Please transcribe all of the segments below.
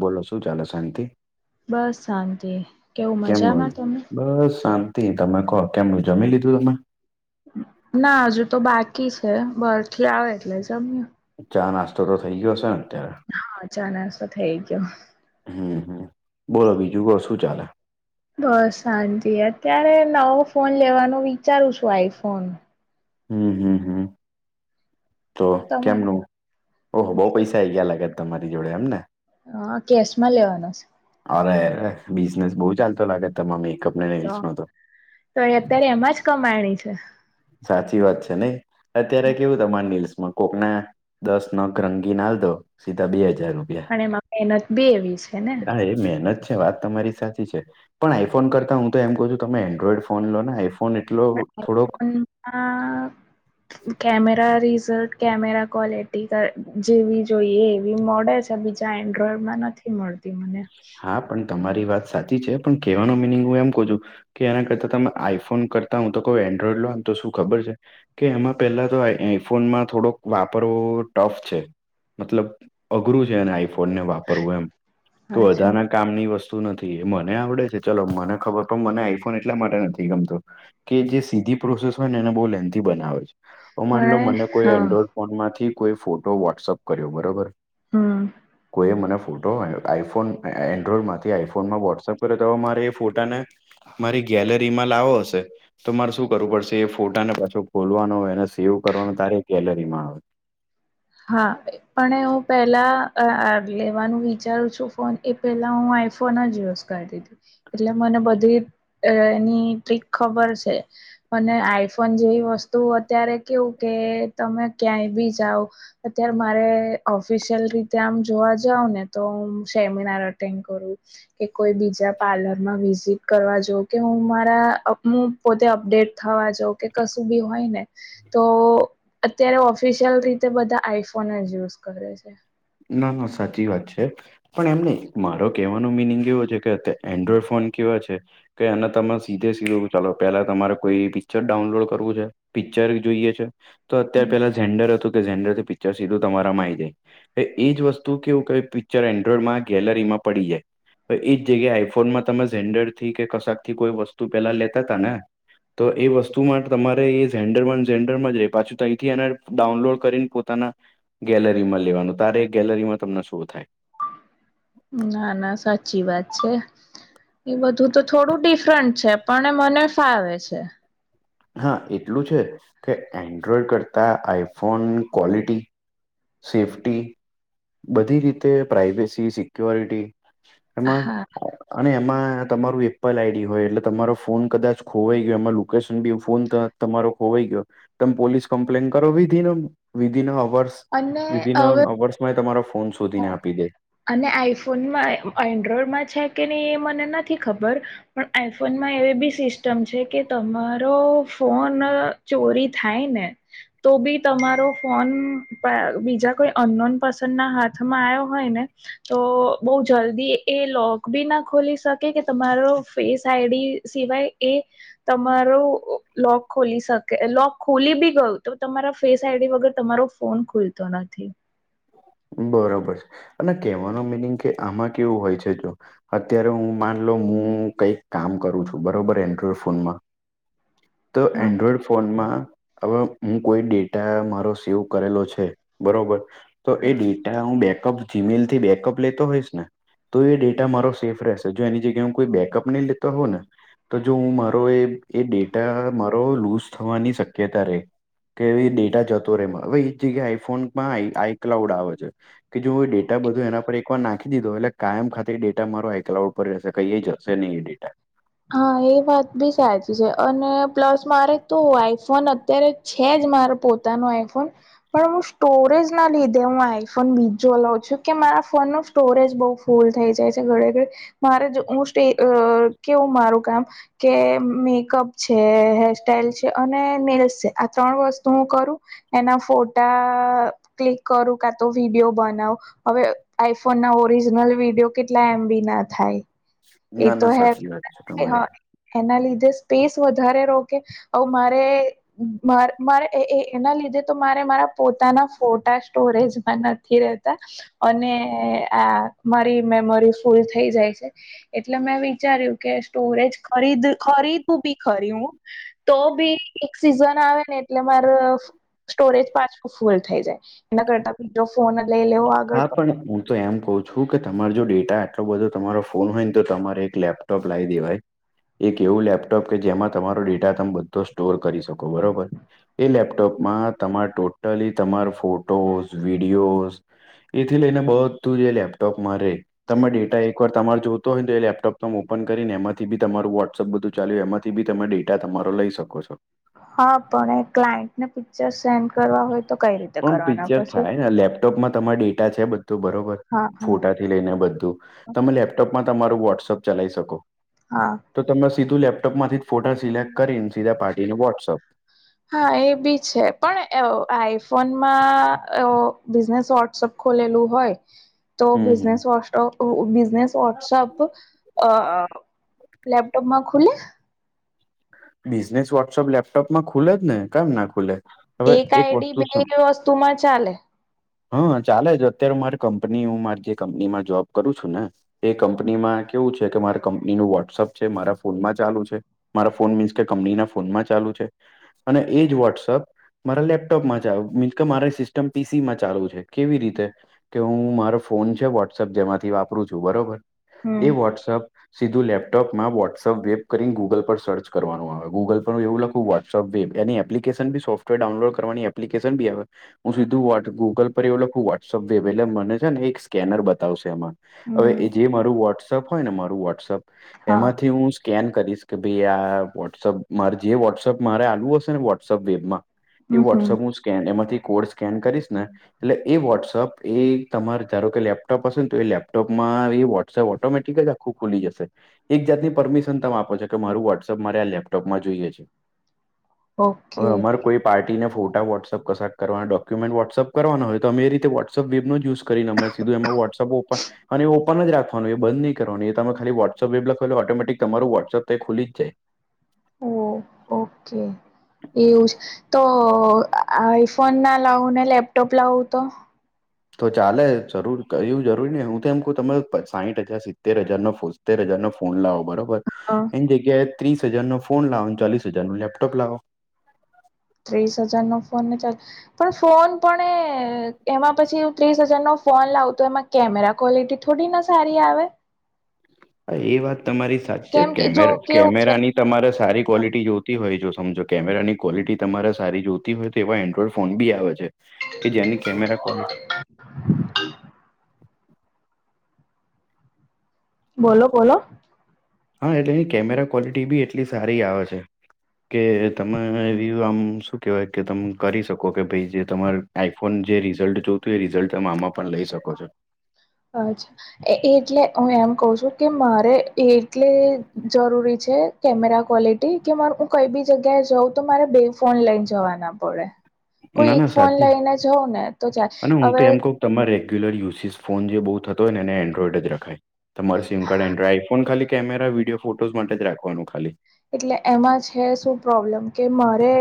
બોલો શું ચાલે? સાંતિ. બસ સાંતિ. કેવું કેમનું મજામાં તમે? બસ સા તી, તમે કો કેમનું જમી લીધું તમે? ના અજુ તો બાકી છે, બર થી આવે એટલે જમ્યે. ચા નાસ્તો તો થઈ ગયો હશે ને અત્યારે હા ચા નાસ્તો થઈ ગયો. હમ હમ બોલો બીજું કશું ચાલે. બસ સાંજ અત્યારે નવો ફોન લેવાનો વિચારું છું આઈફોન હમ હમ હમ... તો તમા કેમનું ઓહો બહુ પૈસા આ આવી ગયા લાગત તમારી જોડે એમ ને હ કેશ માં લેવાનો છે. અરે બિઝનેસ બહુ ચાલતો લાગે તમા મેકઅપ નેલ્સ નો તો તો એ અત્યારે એમાં જ કમાયણી છે. સાચી વાત છે નઈ અત્યારે કેવું તમા લ્સમાં કોકના દસ નગ રંગી નાલ તો સીધા બે હાજાર રૂપિયા પણ એમાં મહેનત બે એવી છે. ને હા એ મહેનત છે વાત તમારી સાચી છે. પણ આઈફોન કરતા હું તો એમ કહું છું તમે એન્ડ્રોઈડ ફોન લો ને આઈફોન એટલો થોડોક હા.... કેમેરા રીઝલ્ટ કેમેરા ક્વોલિટી જેવી જોઈએ એવી મોડેલ છે બીજા એન્ડ્રોઈડમાં નથી. એ મળતી મને હા પણ તમારી વાત સાચી છે. પણ કે હેવાનો મિનિંગ હું એમ કહું છું. કે એના કરતા તમે આઈફોન કરતા હું તો કવ એન્ડ્રોઇડ લો તો શું ખબર છે. કે એમાં પહેલા તો આ આઈફોનમાં થોડોક વાપરવો ટફ છે. મતલબ અઘરું છે એને આઈફોનને વાપરવું એમ [unintelligible] કામની વસ્તુ નથી એ મને આવડે છે. ચલો મને ખબર પણ મને આઈફોન એટલા માટે નથી ગમતો કારણ કે જે સીધી પ્રોસેસ હોય ને એને બહુ લેન્થી બનાવે છે. હ માનલો પણ મને કોઈ હા એન્ડ્રોઈડ ફોનમાંથી કોઈ ફોટો વોટ્સઅપ કર્યો બરોબર હમ્મ... એ મને ફોટો આઈફોન એન્ડ્રોઈડ માંથી આઈફોન માં વોટ્સઅપ કરે તો મારે ફોટાને મારી ગેલેરી માં લાવો હશે. તો મારે શું કરવું પડશે એ ફોટાને પાછો ખોલવાનો એને સેવ કરવાનો તારે ગેલેરીમાં આવે. હા એ... પણ હું પેલા લેવાનું વિચારું છું. ફોન એ પેલા હું આઈફોન જ યુશ કરતી તી જે મને બધુય એની ટ્રિક ખબર છે. અને આઈફોન જેવી વસ્તુ અત્યારે કેવું કે તમે ક્યાંય બીજા જાઓ. અત્યારે મારે ઓફિશિયલ રીતે આમ જોવા જાવ ને તો હું સેમિનાર અટેન્ડ કરું. કે કોઈ બીજા પાર્લરમાં વિઝિટ કરવા જો કે હું મારા [unintelligible] પોતે અપડેટ થવા જાવ કે કશું બી હોય ને. તો અત્યારે ઓફિશિયલ રીતે બધા આઈફોન જ યુઝ કરે છે. ના ના સાચી વાત છે. પણ એમ નહી મારો કેહેવાનો મિનિંગ એવો છે. કે અ એન્ડ્રોઈડ ફોન કેવા છે. કે એને તમે સીધે સીધું ચાલો પેલા તમારે કોઈ પિક્ચર ડાઉનલોડ કરવું છે. પિક્ચર જોઈએ છે તો અત્યારે પેલા ઝેન્ડર હતું કે ઝેન્ડર થી પિક્ચર સીધું તમારામાં આવી જાય. ઈ એજ વસ્તુ કેવું કઈ પિક્ચર એન્ડ્રોઈડમાં ગેલેરીમાં પડી જાય. એ ઇ જગ્યાએ આઈફોનમાં તમે ઝેન્ડર થી કશકથી કોઈ વસ્તુ પેલા લેતા તા ને તો એ વસ્તુ માટે તમારે એ ઝેન્ડર વન ઝેન્ડરમાં જ રહે. પાછું તો અહીંથી એને ડાઉનલોડ કરીને પોતાના ગેલરીમાં લેવાનું તારે એક ગેલરીમાં તમને શું થાય. ના ના સાચી વાત છે. એ બધું તો થોડું ડિફરન્ટ છે. પણ મને ફાવે છે. હા એટલું છે કે એન્ડ્રોઈડ કરતા આઈફોન ક્વોલિટી.... સેફ્ટી બધી રીતે પ્રાઇવેસી સિક્યોરિટી એમાં, હા. અને એમાં તમારું એપલ આઈડી હોય એટલે તમારો ફોન કદાચ ખોવાઈ ગયો એમાં લોકેશન બી ફોન તમારો ખોવાઈ ગયો તમે પોલીસ કમ્પ્લેન કરો. Within within hours. અને વિધિન અ હવે અવર્સમાં એ તમારો ફોન શોધીને આપી દે. અને આઈફોનમાં એન્ડ્રોઈડમાં છે કે નહી એ મને નથી ખબર! પણ આઈફોનમાં એવી બી સિસ્ટમ છે કે તમારો ફોન ચોરી થાય ને! તો બી તમારો ફોન પણ બીજા કોઈ અનનોન પરસન ના હાથમાં.... માં આવ્યો હોય ને તો બહુ જલ્દી.... એ લોક બી ના ખોલી શકે કે તમારો ફેસ આઈડી સિવાય, એ તમારો લોક ખોલી શકે. લોક ખોલી બી ગયુ તો, તમારા ફેસ આઈડી વગર તમારો ફોન ખુલતો નથી. બરોબર અને કેહેવાનું મિનિંગ કે આમાં કેવું હોય છે જો, અત્યારે હું માનલો હું કંઈક કામ કરું છું બરોબર એન્ડ્રોઈડ ફોનમાં. તો હા એન્ડ્રોઈડ ફોનમાં. હવે હું કોઈ ડેટા મારો સેવ કરેલો છે બરોબર તો હા એ એ હું બેકઅપ જીમેલ થી બેકઅપ લેતો હોઈશ ને! તો એ ડેટા મારો સેફ રહેશે. જો એની જગ્યા હું કોઈ બેકઅપ નહીં લેતો હોઉ ને! તો જો હું મારો એ એ ડેટા મારો લૂઝ થવાની શક્યતા રે! કે એ ડેટા જતો રે! એમાં હવે એજ જગ્યા આઈફોનમાં આઈ. ક્લાઉડ આવે છે કે જો ડેટા બધું એના પર એક વાર નાખી દીધો એટલે, કાયમ ખાતે ડેટા મારો એકલાઉડ પર રહેશે કંઈ જશે નહી એ ડેટા. હા એ વાત બી સાચી છે અને પ્લસ મારે તો આઈફોન અત્યારે જ, છે જ મારો પોતાનો આઈફોન. પણ હું સ્ટોરેજ ના લીધે હું આઈફોન બીજો લઉં છું કે મારા ફોનમાં. સ્ટોરેજ બહુ ફૂલ થઈ જાય છે ઘણે ઘણે. મારે જો હું સ્ટે કેવું મારું કામ કે મેકઅપ. છે હેર સ્ટાઇલ છે, અને નેઈલસ છે. આ ત્રણ વસ્તુ હું કરું એના ફોટા. ક્લિક કરું કાં તો વિડીયો બનાવુ. હવે આઈફોન ના ઓરિજિનલ વિડીયો કેટલા એમ બી ના થાય? એ ના તો ના હે સાચી વાત. છે તમારી હા એના લીધે સ્પેસ વધારે રોકે હવે મારે, મારે એના લીધે તો મારે મારા પોતાના, ફોટા સ્ટોરેજમાં નથી રહેતા, અને આ. મારી મેમરી ફૂલ થઈ જાય છે, એટલે મેં વિચાર્યું કે સ્ટોરેજ. ખરીદ ખરીદું બી ખરી હું તો બી, સિઝન આવે ને એટલે માર. સ્ટોરેજ પાછું ફૂલ થઈ જાય, એના કરતા બીજો ફોન જ લઈ લેવો. આગળ હા પડે. પણ, હું તો એમ કવ છું કે તમાર જો ડેટા આટલો બધો તમારો ફોન હોય ને તો તમારે એક લેપટોપ લાવી દેવાય. એક એવું લેપટોપ કે જેમાં તમારો ડેટા તમે બધો સ્ટોર કરી શકો. બરોબર! એ લેપટોપમાં તમારે ટોટલી તમાર ફોટોઝ, વિડીયોઝ, એથી લઈને બધું જ એ લેપટોપમાં રેય, તમે ડેટા એકવાર, તમારે જોતો હોય તો એ લેપટોપ તમેં ઓપન કરીને એમાંથી બી તમારું વોટ્સઅપ બધું ચાલ્યું. એમાંથી બી તમે ડેટા તમારો લઈ શકો. છો [inaudible] હા, પણ એ ક્લાયન્ટ ને પિક્ચર સેન્ડ કરવા હોય તો કઈ રીતે? પણ કરવાના પિક્ચર પછી થાય ને લેપટોપમાં તમારે ડેટા છે. બધું બરોબર હા હા ફોટા. થી લઈને બધું તમે લેપટોપમાં તમારું વોટ્સઅપ ચલાવી શકો. હા, તો તમે સીધું લેપટોપમાંથી જ ફોટા સિલેક્ટ કરીને સીધા પાર્ટીને વોટ્સઅપ. હા એ બી છે પણ આઈફોનમાં! બિઝનેસ વોટ્સઅપ ખોલેલું હોય. તો હમ હમ બિઝનેસ વોટ બિઝનેસ વોટ્સઅપ અ લેપટોપ માં ખુલે? બિઝનેસ વોટ્સઅપ લેપટોપ માં ખુલે જ ને, કેમ ના ખુલે! હવે એક આઈડી વસ્તુ બે સમ વસ્તુ માં ચાલે. હા, ચાલે જ અત્યારે મારે કંપની હું માર જે કંપની માં જોબ કરું છું ને, એ કંપનીમાં કેવું છે કે મારા કંપનીનું વોટ્સઅપ છે. મારા ફોનમાં ચાલુ છે. મારા ફોન મીન્સ કે કંપનીના ફોનમાં ચાલુ છે, અને એજ વોટ્સઅપ મારા લેપટોપમાં ચાલુ મિન્સ કે મારી સિસ્ટમ પીસી માં ચાલુ છે. કેવી રીતે? કે હું મારો ફોન છે, વોટ્સઅપ જેમાંથી વાપરું છું. બરોબર. હમ એ વોટ્સઅપ સીધું લેપટોપમાં વોટ્સઅપ વેબ કરીને ગૂગલ પર સર્ચ, કરવાનું આવે ગુગલ પર એવું લખું વોટ્સઅપ વેબ એની એપ્લિકેશન બી સોફ્ટવેર ડાઉનલોડ કરવાની એપ્લિકેશન બી આવે. હું સીધું ગૂગલ પર એવું લખું વોટ્સઅપ વેબ, એટલે મને છે ને એક સ્કેનર બતાવશે એમાં. હવે, હમ એ જે મારું વોટ્સઅપ હોય ને મારું વોટ્સઅપ હા એમાંથી હું, સ્કેન કરીશ કે ભાઈ આ વોટ્સઅપ મારે જે વોટ્સઅપ મારે આલવુ હશે ને વોટ્સઅપ વેબમાં એ હમ હમ વોટ્સઅપ હું સ્કેન એમાંથી કોડ સ્કેન કરીશ ને એટલે એ વોટ્સઅપ એ તમારે ધારો કે તમારી પાસે લેપટોપ હશે ને તો એ લેપટોપમાં વોટ્સઅપ ઓટોમેટિક જ ખુલી જશે એક જાતની પરમિશન તમે આપો છો કે મારું વોટ્સએપ મારે આ લેપટોપમાં જોઈએ છે, ઓકે હવે અમારે કોઈ પણ પાર્ટી ને ફોટા વોટ્સએપ કરવાના હોય કે, ડોક્યુમેન્ટ વોટ્સઅપ કરવાના હોય તો અમે એ રીતે વોટ્સએપ વેબ નો યુઝ, કરીને અમે સીધું એમાં વોટ્સએપ ઓપન, અને એ ઓપન જ રાખવાનું એ બંધ નહીં કરવાનું એ તમે ખાલી વોટ્સએપ વેબ લખો એટલે ઓટોમેટિક તમારું વોટ્સએપ એ ખુલી જ જાય. ઓ... ઓકે. એવું છે તો આઈફોન ના લાવું ને લેપટોપ લાવું તો તો ચાલે એવું જરૂરી કઈ નથી હું તો એમ કહું તમારો સાહીઠ હજાર સિત્તેર હજાર નો ફોન, તેર હજારનો ફોન લાવો. બરોબર, હ એની જગ્યાએ ત્રીસ હજાર નો ફોન લાવો અને ચાલીસ હજાર નો લેપટોપ લાવો. ત્રીસ હજાર નો ફોન પણ ચાલે. પણ ફોન પણ એ એમાં પછી ત્રીસ હજાર નો, ફોન લાવું તો એમાં કેમેરા ક્વોલિટી થોડીના સારી આવે! હા એ વાત તમારી સાચી છે કેમ કે જો કેવું છે કેમેરાની, તમારે સારી ક્વોલિટી જોતી હોય. જો સમજો કેમેરાની ક્વોલિટી તમારે સારી જોતી હોય તો કે એવા એન્ડ્રોઈડ ફોન ભી આવે છે કે જેની કેમેરા ક્વોલિટી [unintelligible] બોલો બોલો, હા, એટલે એની કેમેરા ક્વોલિટી ભી એટલી સારી આવે છે. કે તમે એને એ વ્યુ આમ શું કહેવાય? કે તમે કરી શકો કે ભાઈ જે તમારે, આઈફોન જે રિઝલ્ટ જોતું હોય. એવું રિઝલ્ટ તમે આમાં પણ લઈ શકો છો. અચ્છા એ એટલે હું એમ કહું છું કે મારે એટલે જરૂરી છે કેમેરા ક્વોલિટી, કે માર, હું કઇ બી જગ્યાએ જઉં તો મારે બે ફોન લઈ જવા ના પડે. ના કોઈ એક ના ફોન સાચી લઈને જઉં ને, તો [unintelligible] હવે તમા રેગ્યુલર યુઝીસ્ ફોન જે બઉ થતો હોય ને એને એન્ડ્રોઈડ જ રખાય. તમાર સિમ કાર્ડ એન્ડ્રોય ફોન ખાલી કેમેરા વિડિયો ફોટોઝ્ માટે જ રાખવાનું ખાલી. એટલે એમાં છે શું પ્રોબ્લેમ કે મારે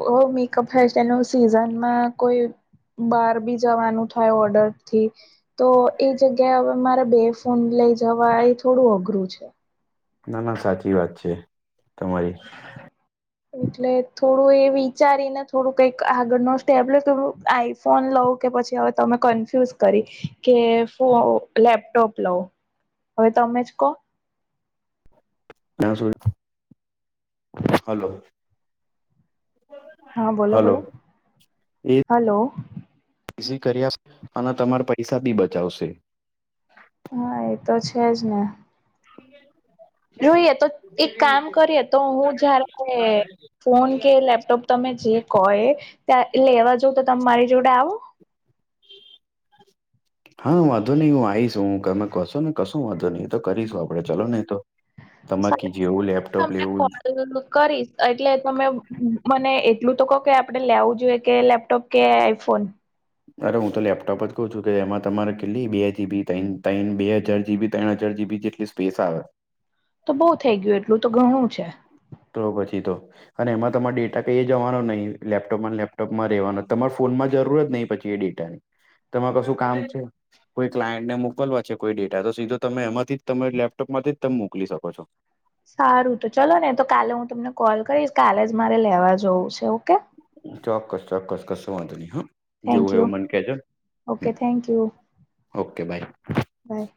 [inaudible] મેકઅપ હેરસ્ટાઇલ સીઝનમાં કોઈ, બાર બી જવાનું થાય ઓર્ડર થી તો એ જગ્યાએ મારે બે ફોન લઈ જવા એ થોડું અઘરું છે. ના ના સાચી વાત છે, તમારી. એટલે થોડું એ વિચારીને, થોડુ કઈક આગળ નો સ્ટેપ [unintelligible] ફોન લવ કે પછી હવે તમે કન્ફ્યુઝ કરી, કે ફો, લેપટોપ લવ? હવે તમે જ કો [unintelligible] હેલો. હા બોલો હેલો, બોલો એ હલો [unintelligible] અન તમાર પૈસા બી બચાવશે. હા એ તો છે જ ને! [inaudible] જોઈએ તો, એક કામ કરીએ તો હું જ્યારે [unintelligible] ફોન કે લેપટોપ તમે જે કો એ, ત્યાં લેવા જવ તો તમ મારી જોડે આવો? [inaudible] હા વાંધો નહી હું આઈસ હુ, [unintelligible] કશો વાંધો નહી તો કરીશું આપડે ચલોને એતો. [unintelligible] જેવું લેપટોપ તમને લેવું [inaudible] કરીશ એટલે તમે મને એટલું તો કો કે આપડે લેવું જોઈએ કે લેપટોપ કે આઇફોન! અરે હું તો લેપટોપ જ કઉ છું કે એમાં તમારે કેટલી, બે જીબી, તય્ણ, તય્ણ, બે હજાર જીબી, તય્ણ હજાર જીબી જેટ ઇસ્પેસ આવે તો બઉ થઈ ગયું, એટલું તો ઘણું છે. તો પછી તો અને એમાં તમાર ડેટા કઈ જવાનો નહી, લેપટોપમાંન લેપટોપમાં રહેવાનો, તમાર ફોનમાં જરૂરત નહીં પછી એ ડેટાની, તમાર કશું કામ છે? કોઈ ક્લાયન્ટને મોકલવા છે કોઈ ડેટા તો સીધો તમે એમાંથી જ તમે લેપટોપમાંથી જ તમ મોકલી શકો છો. સારું તો ચાલો ને, તો કાલે હું તમને કોલ કરીશ કાલે જ મારે લેવા જવું છે ઓકે! ચોક્કસ, ચોક્કસ, કસો વાંધો નહીં હા. જેવું થેન્ક હોય એવું યુ મન કે જો ન, ઓકે થેન્ક યુ હ, ઓકે બાય. બાય.